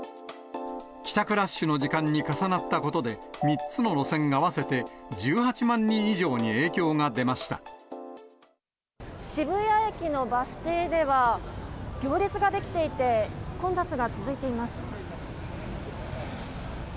帰宅ラッシュの時間に重なったことで、３つの路線合わせて１８万渋谷駅のバス停では、行列が出来ていて、混雑が続いています。